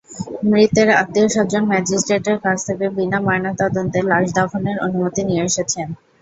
মৃতের আত্মীয়স্বজন ম্যাজিস্ট্রেটের কাছ থেকে বিনা ময়নাতদন্তে লাশ দাফনের অনুমতি নিয়ে এসেছেন।